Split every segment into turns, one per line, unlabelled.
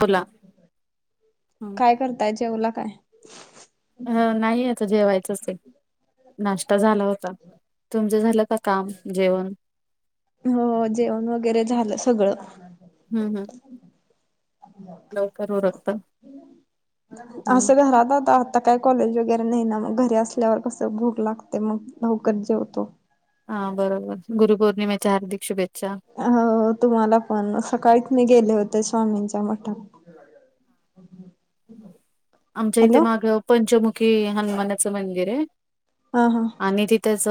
बोला
काय करताय, जेवला काय?
ह.. नाही आता जेवायचं है नाश्ता झाला होता, तुमच झालं का? काम जेवण
हो.. जेवण वगैरे झालं सगळं.
हम्.. हम.. लवकर उरकत. हम्म.
असं घरात हतात. आता काय कॉलेज वगैरे नाही ना मग घरी असल्यावर कसं भूक लागते मग लवकर जेवतो.
हा.. बरोबर गुरुपौर्णिमेच्या हार्दिक शुभेच्छा..
आ.. हो.. तुम्हाला पण, सकाळीच मी गेले होते स्वामींच्या मठात. [inaudible]
आमच्या हिते
हॅलो
माग पंचमुखी हनुमानाचं मंदिर है.
हा. हा..
आम्ही तिथेच...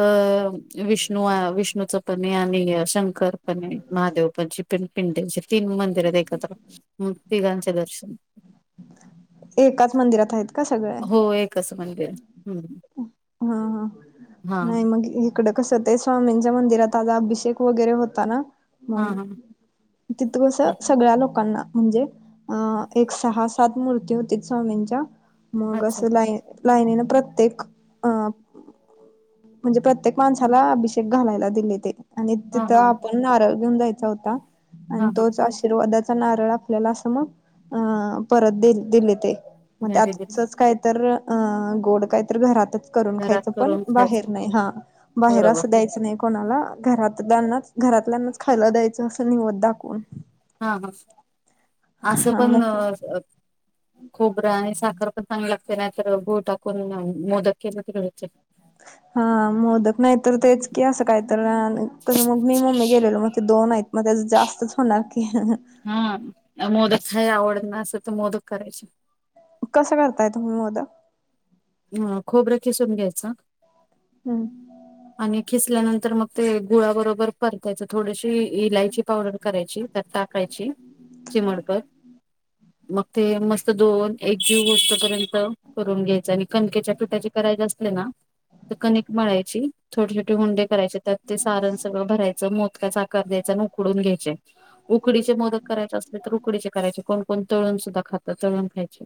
विष्णू, विष्णूच पण है आणि शंकर पण आहे महादेवाची पिंड. पिंडचे तीन मंदिरात एकत्र तिघांचे दर्शन.
एकाच मंदिरात आहेत का सगळे?
होय एकच मंदिर
ह्म्म... ह्म्म्..
हा
नाही मग एक इकड कस ते स्वामींच्या मंदिरात आज अभिषेक वगैरे होता ना
हा
मग
हा
तिथं कसं
हा.
सगळ्या लोकांना म्हणजे अ... एक.. सहा -सात मूर्ती होती स्वामींच्या मग
अच्छा
असं लाईन लाईनीन प्रत्येक अ.. म्हणजे प्रत्येक माणसाला अभिषेक घालायला दिले ते आणि
हा
तिथं
हा
आपण नारळ घेऊन जायचा होता
हा
आणि
हा
तोच आशि आशीर्वादाचा नारळ आपल्याला असं मग अ.. परत दि... दिले ते. मग
घरी दिली
त्याचंच काय तर.. अ.. गोड काय तरी घरात करून
घरात
खायचं पण
करून
बाहेर
खायचं
हा. बाहेर
बरोबर
असं द्यायचं नाही. द्यायचं नाही कोणाला, घरातल्यानाच.. घरातल्यांनाच खायला द्यायचं अस निवद दाखवून.
हा... हा.. असं
हा
पण..
मग
अ.. खोबरं आणि साखर पण चांगल लागतं. ते नाही तर गुळ टाकून मोदक केलं तर होतंय.
हा मोदक नाहीत तेच की असं काहीत कसं अ.. तर मी मम्मी गेलेलो मग ते दोन आहेत. मग त्याचं जास्तच होणार की ह्.. ह्..
हा.. मोदक हाय आवड ना असं तर मोदक करायची.
कसं करताय तुम्ही मोदक?
ह.. खोबरं खिसून घ्यायच.
हम्
आणि किसल्यानंतर मग ते गुळाबरोबर परतायच थोडशी इलायची पावडर करायची तर टाकायची, चिमडभर मग ते मस्त दोन एकजीव होस तोपर्यंत करून द्यायचं. कणिकेच्या पिट्याची करायचे असले ना, तर कणिक मळायची छोटे -छोटे हुंडे करायचं त्यात ते सारण सगळं भरायचं मोदकाचा आकार द्यायचा अन उकडून घ्यायचे. उकडीचे मोदक करायचे असले तर उकडीचे करायचे कोण- कोण तळून सुद्धा खात तळून खायचे.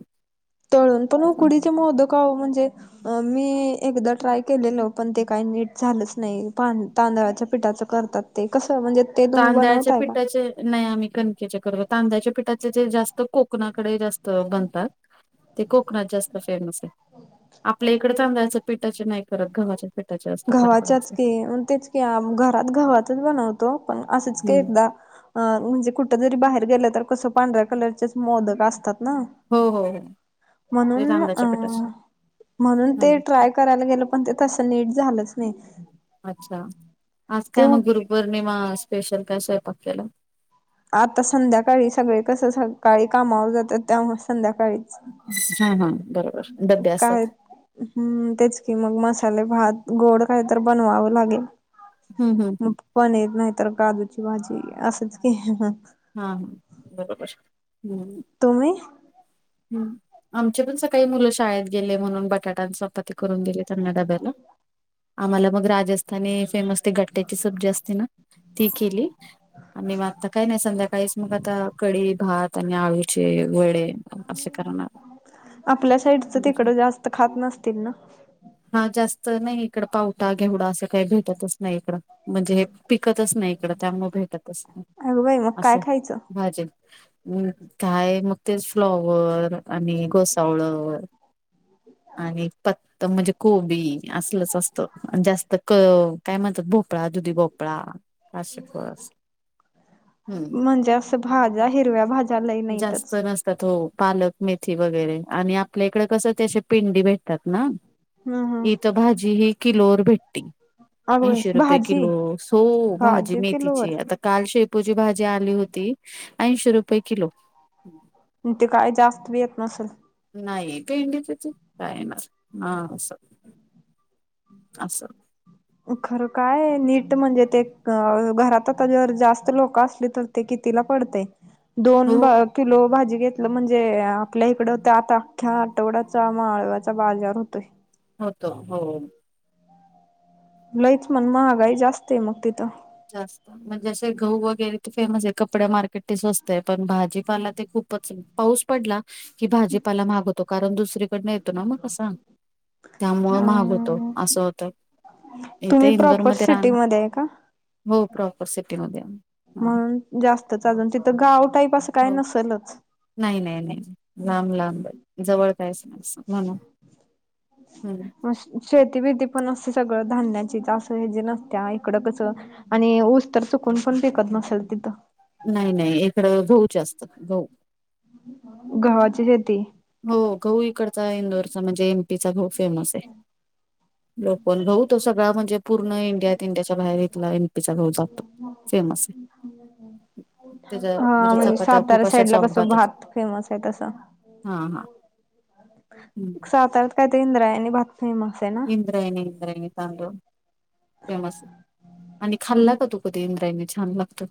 तळून पण उकडीचे मोदक आहो म्हणजे, अ मी एकदा ट्राय केलेलो, पण ते काही नीट झालंच नाही तांदळाच्या पिठाच करतात. ते कसं म्हणजे ते तुम्ही
तांदळाच्या
बनवताय का?
पिठाचे नाही आम्ही कणकेचे करतो, कांद्याच्या पिठाचे ते जास्त कोकणाकडे जास्त बनतात. ते कोकणात जास्त फेमस आहे, आपल्या इकडे तांदळायचं पिठाचे नाही करत गव्हाच्या पिठाचे जास्त खराब
गव्हाच्याच
पडायचे
की तेच की घरात गव्हाच्या बनवतो, पण असेच का एकदा अ म्हणजे कुठं जरी बाहेर गेलं तर कसं पांढऱ्या कलरचेच मोदक असतात ना.
हो हो हो ते
म्हणून अ
तांदळाच्या पिठाचे
म्हणून ते
हम्म
ट्राय करायला गेलं. पण ते तसं नीट झालंच नाही.
अच्छा! आज
ते
काय मग गुरुपौर्णिमा स्पेशल काय स्वयंपाक केला?
आता संध्याकाळी सगळे कसं सकाळी कामावर जातात त्यामुळे संध्याकाळीच,
हा हा बरोबर. डबे असतात
काय हम्म तेच की मग मसाले भात गोड काय तर बनवावं लागेल.
हम्
मग
हम्म
पनीर नाही तर काजूची भाजी असंच की हं हं
हा हा बरोबर. हम्म
तुम्ही?
हम्म, आमचे पण सकाळी मुलं शाळेत गेले म्हणून बटाट्यांच चपाती करून दिले त्यांना डब्याला, आम्हाला मग रात राजस्थानी फेमस गट्याची सब्जी असते ना. ती केली आणि आता काय नाही संध्याकाळी स मग आता कडी, भात आणि आळूचे गोळे
आपल्या साईटच तिकडं जास्त खात नसतील ना?
हा जास्त नाही इकडं पावटा, घेवडा, असं काही भेटतच नाही इकडं. म्हणजे हे पिकतच नाही इकडं त्यामुळे भेटतच नाही.
अगं बाई मग काय
असं
खायचं
भाजे हम, काय मग तेच फ्लॉवर आणि गोसावळ, आणि पत्त म्हणजे कोबी असलच असतं जास्त. त क काय म्हणतात भोपळा, दुधी भोपळा असं
म्हणजे असं भाज्या हिरव्या भाज्या लई
जास्त
नाहीतच
नस त हो पालक मेथी वगैरे आणि आपल्या इकडे कसं त्या पिंडी भेटतात ना.
हा हा
इत भाजी ही किलोवर भेट ते
अगं बाई
ऐंशी रुपये
भाजी
किलो, सो भाजी मेथीची काल शेपूची भाजी आली होती, ऐंशी रुपये किलो.
मग काय जास्त बी येत नसेल.
नाही पेंडी [unintelligible] काय येणार हा असं असं
खरं काय नीट म्हणजे ते क घरातत आल्यावर आता जर जास्त लोक असल्यावर ते कितीला पडते, दोन
हो
बा किलो भाजी घेतलं म्हणजे आपल्या इकडं आता अख्ख्या आठवड्याचा माळव्याचा बाजार होतोय.
होतो हो
लईच मन महागाईजास्त आहे मग तिथं.
जास्त. म्हणजे असे गहू वगैरे तर फेमस आहे, कपड्या मार्केट ते स्वस्तय, पण भाजीपाला ते खूपच पाऊस पडला की भाजीपाला महाग होतो, कारण दुसरीकडन येतो ना मग कसा. त्यामुळं महाग होतो,
अ
असं होतं, इथे इंदोरमध्ये राहणं
देय का
हो प्रॉपर सिटीमध्ये. हा
म्हणून जास्तच, अजून तिथं गाव टाईप असं काय
हो
नसलच.
नाही नाही नाही. लांब लांब आहेत, जवळ कायच नाही असं म्हणून, हम्म.
शेतीबिती पण असं सगळं धान्याचींच, असं ह्यजी नसत्या, इकडं कसं आणि ऊस तर चुकून पण पिकत नसल तिथं.
नाही नाही इकडं गहू जास्त,, गहू.
गव्हाची शेती.
हो गहू इकडचा इंदोरचा म्हणजे एमपीचा गहु फेमस य. लोकल गहु तो सगळा म्हणजे पूर्ण इंडियात इंडियाच्या बाहेर इथला एनपीचा गहू जात
म [inaudible]
फेमस हाय,
हा म्हणजे
चपात्या
सातार्या
खूप अशा
साईड ला
सॉफ्ट
कसं
भातात
भात फेमस हाय तसं.
हा हा. हम्म.
साताऱ्यात काय ते इंद्रायणी भात फेमसय
इंद्रायणी इंद्रायणी तांदूळ फेमस. आणि खाल्ला का तू कधी, इंद्रायणी छान लागतो.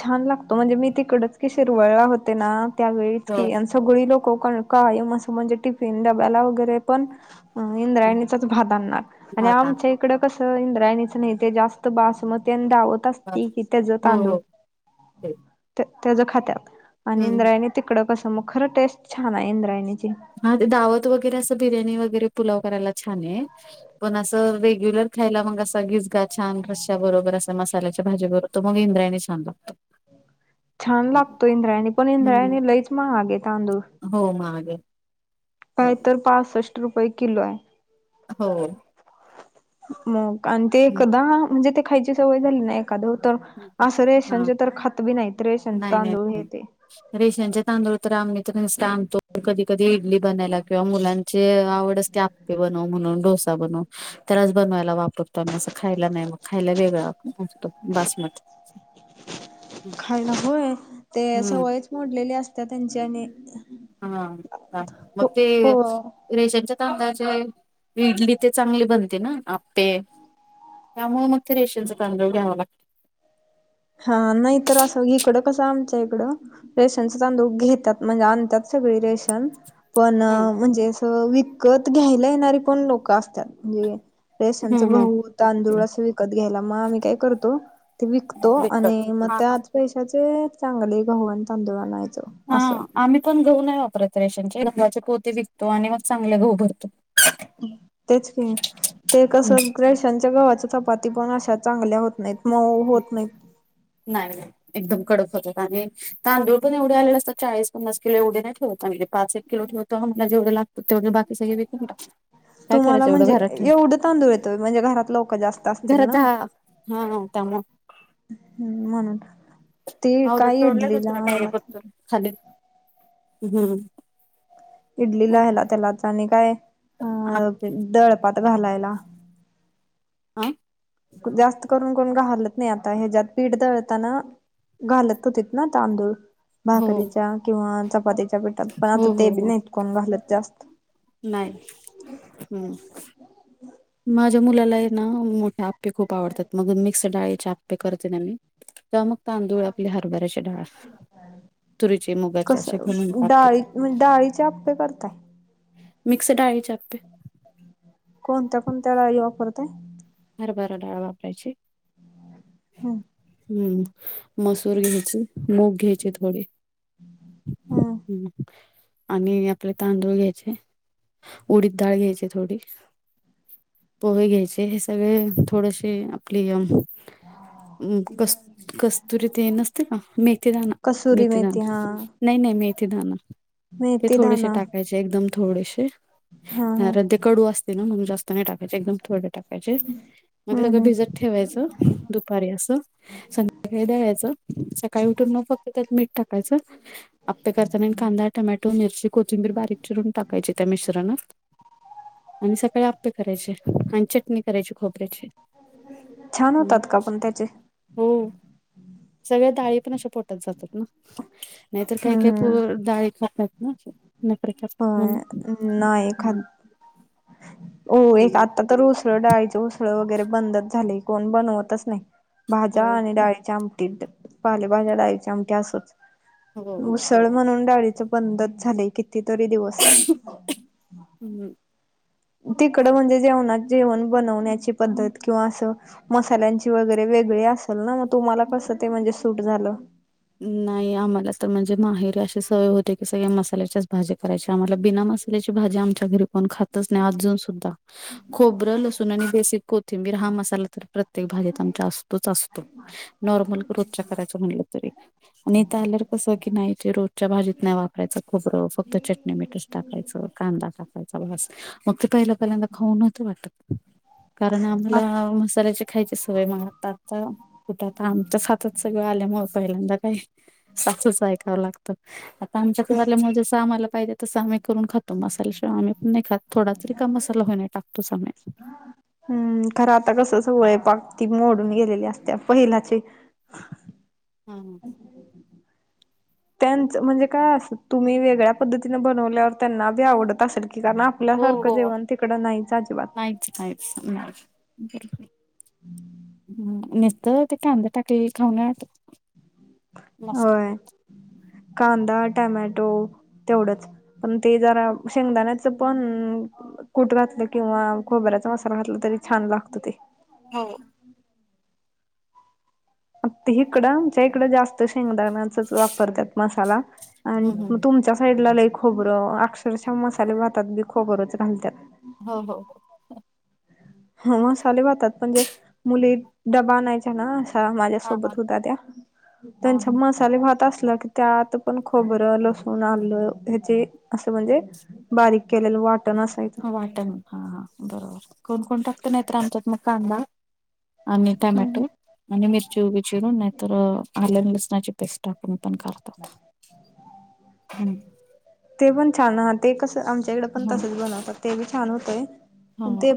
छान लागतो, म्हणजे मी तिकडंच की शिरवळला होते ना, त्यावेळीच
हो.
की आमचं सगळी लोकं कायम कायम असं म्हणजे टिफिन डब्याला वगैरे पण अ इंद्रायणीचाच भात आननार, आणि आमच्या ई इकडं कसं, इंद्रायणीच नाही ते जास्त बासमती आणि दावत
भात.
असतय की, त्यजं
हो
तांदूळ.
हो
त्या त्यज खात्यात, आणि
हम्म
इंद्रायणीत तिकडे कसं, मग खरं टेस्ट छान आहे इंद्रायणीची.
हा ते दावत वगैरे असं बिर्याणी वगैरे पुलाव करायला छानय. पण असा रेग्यलर खायला मग असा गिजका छान रशा बरोबर असं मसाल्याच्या भाजीबरोबर तो मग इंद्रायणी छान लागतो.
छान लागतो इंद्रायणी पण
हम्म.
इंद्रायणी लयच महागय तांदूळ.
हो महागय.
काय तर पासष्ट रुपये किलोय.
हो.
मग, आणि ते
हं.
एकदा म्हणजे, ते खायची सवय झाली नाय एखादं हुतं, असं
हा
रेशनचं तर खात भी नाहीत, रेशनचं
नाही नाही.
तांदूळ हे ते.
रेशनचे तांदूळ तर आम्ही ते नुसते आणतो कधी कधी इडली बनायला, किंवा मुलांची आवड असते आप्पे बनव म्हणून डोसा डोसा बनव, त्यालाच बनवायला वापरतो आम्ही, असं खायला नाही, मग खायला वेगळा आणतो. बासमती.
खायाला होय, ते
हम्म
सवयच मोडलेली असत्या त्यांची आणि
हा हा हा मग
हो
ते
हो
रेशनच्या तांदळाचे इडली ते चांगली बनते ना, आप्पे त्यामुळे मग ते रेशनचा तांदूळ घ्यावा लाग
हा, नाहीतर असं इकडं कसं आमच्या ईकडं रेशनच तांदूळ घेत्यात, म्हणजे आणतात सगळी रेशन पण
हम्म
म्हणजे असं विकत घ्यायला येणारी पण लोकं असत्यात म्हणजे रेशनच
हम्म
गहू, तांदूळ
हम्म
असं विकत घ्यायला, म आम्ही काय करतो ते विक तो
विकत
आणि म
हा हा.
त्याच पैशाचे चांगले गहू आणि तांदूळ आणायच.
हा आम्ही पण गहू नाही वापरत रेशनचे, गव्हाचे पोते विकतो आणि मग चांगले गहू भरतो.
तेच की, ते
हम्म
कसं रेशनच्या गव्हाच चपाती पण अशा चांगल्या होत नाहीत मऊ होत नाहीत.
[unintelligible] एकदम कडक होतात, आणि तांदूळ पण एवढे आलेले असतात च्याळीस, पन्नास किलो एवढे नाही ठेवत आम्ही, पाच एक किलो ठेवत तो, आम्हाला जेवढं लागतं तेवढं बाकी सगळं वी
तुम्हाला म्हणजे
ठेवून
एवढे तांदूळ येतोय म्हणजे घरात लोक जास्त असतील ना?
हां, त्यामुळं.
हम म्हणून, ती काय इटलीला ह्याला
[unintelligible] हमं.
इडलीला, हेला, त्यालाच आणि काय
आप्पे
दळपात घालायला.
आं?
जास्त करून कोण घालत नाही आता हेच्यात पीठ दळताना घालत होतीत ना तांदूळ.
हो
भाकरीच्या किंवा चपातीच्या पिठात पण
हो
आता ते बी नाहीत कोण घालत जास्त.
नाय, हम. माझ्या मुलाला हे ना मोठे आप्पे खूप आवडतात, मग मिक्स डाळीचे आप्पे करते ना मी तेंव्हा म तांदूळ, आपली हरभऱ्याची डाळ तुरीचे, मुगाचे
कस
असे घालून आप्पे
डाळी
कर
म्हणजे डाळीचे आप्पे करताय
मिक्स डाळीचे आप्पे
कोणत्या कोणत्या डाळी वापरताय?
हरभरा डाळ वापरायची
हं.
हम्म मसूर घ्यायचे, मूग घ्यायचे थोडे
हम्म
हं. आणि आपले तांदूळ घ्यायचे, उडीत डाळ घ्यायचे थोडी पोहे घ्यायचे हे सगळे थोडेसे आपली क कस्तुरी ते नसते का? मेथी दाना
कसुरी मेथी
मेथीदाणा
हा
नाही नाही मेथीदाना. ते
मेथी
थोडेसे
दाना
टाकायचे एकदम थोडेसे,
हा हा
कारण ते कडू आस ते ना म्हणून जास्त नाही टाकायचे एकदम थोडे टाकायचे, मग
हम्म
सगळ
हम्म
भिजत ठेवायचं दुपारी अस. संध्याकाळी दळायचं, सकाळी उठून म फक्त त्यात मीठ टाकायचं आप्पे करताना कांदा, टमॅटो, मिरची, कोथिंबीर बारीक चिरून टाकायची त्या मिश्रणात आणि सकाळी आप्पे करायचे, आणि च करायची खोबऱ्याची,
छान
हम्.
होतात का पण त्याचे
हो, सगळ्या डाळी पण अशा पोटात जातात ना नाहीतर काही
हम्म
काही
हम्म
पोर डाळी खात नाहीत ना. नखरे करतात म्हणून
होय नाही खात हो एक
हम्म.
आता तर उसळ, डाळीच उसळ वगैरे बंदच झालय कोण बनवतच नाही. भाज्या आणि डाळीच्या आमटी, पाले भाज्या डाळीची आमटी असच.
हो हो
उसळ म्हणून डाळीच बंदच झालंय कितीतरी दिवस.
[unintelligible]
तिकडं म्हणजे जेवणात, जेवण बनवण्याची पद्धत किंवा असं. मसाल्यांची वगैरे वेगळी असेल ना, मग तुम्हांला कसं ते म्हणजे सूट झालं.
नाही आम्हाला तर म्हणजे माहेर अशी सवय होती. की सगळ्या मसाल्याच्याच भाजी करायची, आम्हाला बिना मसा मग तेची आमच्या घरी कोण खातचं नाही. अजून सुद्धा खोबरं लसूण, आणि बेसिक कोथिंबीर हा मसाला तर प्रत्येक भाजीत आमच्या असतोच असतो. नॉर्मल ग्रोथ च्या करायचं म्हणलं तरी. आणि इथं आल्यावर कसं की नाही ते, रोजच्या भाजीत नाही वापरायचं खोबरं फक्त चटणी मीठच टाकायचं असं. कांदा टाकायचा बास मग ते, पहिला पहिल्यांदा खाऊ नव्हतं वाटत. कारण
आ
आम्हाला मसाल्याची खायची सवय मग आता आता. कुठं आता आमच्याच हातात सगळं आल्यामुळं पहिल्यांदा काय. सासूच ऐकावं लागतं. आता आमच्याकडे आल्यामुळे जसं आम्हाला, पाहिजे तसं करून खात मसाल्याशिवाय आम्ही पण नाही खातं, थोडा तरी का मसाला होईना टाकतोच आम्ही.
हम, खरं आता कसं स्वयंपाक ती मोडून गेलेली असते पहिलाची.
हां.
त्यांचं म्हणजे काय असं तुम्ही वेगळ्या पद्धतीनें बनवल्यावर, त्यांना बी आवडत असलं की. कारणं आप आपल्या सारखं जेवण तिकडं नाहीच अजिबात.
निस्त ते कांदा टाक ते खाऊ न्याट.
होय. कांदा टोमॅटो तेवढंच. पण ते जरा, शेंगदाण्याचं पण. कूट घातलं किंवा, खोबऱ्याचा मसाला घातला तरी छान लागतं ते.
हो.
हिकडं आमच्या इकडं जास्त शेंगदाण्याचाच वापरत्यात मसाला.
हम्म हम्म.
आणि तुमच्या साईडला लई खोबरं, अक्षरशः मसाले भातात बी खोबरंच घालत्यात.
हो हो हो.
हो, मसाले भातात म्हणजे, मुली डबा आणायच्या ना. हां, माझ्या
हा हा
सोबत होता त्या,
हा
त्यांच्या मसाले भात असला की. त्यात पण खोबरं लसूण आलं हेची असं म्हणजे. बारीक केलेलं वाटण असाय
हा वाटण हा हा बरोबर कोण कोण टाकत नाही. तर आमच्यात मग कांदा. आणि
हम्म.
टोमॅटो आणि मिरची उभी चिरून नाहीतर, आले लसणाची पेस्ट टाकून पण खा
[inaudible]
हम्म.
ते पण छान होत. ते कसं आमच्या इकडं पण
हा
तसंच बनवतात, ते बी छान होतंय
हा
ते.